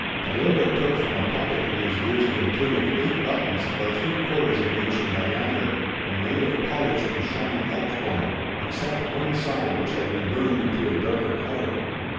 Tayoga took from a pocket in his deerskin tunic eight buttons about three quarters of an inch in diameter and made of polished and shining elk's horn, except one side which had been burned to a darker color.